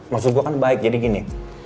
maksud gue kan baik jadi gini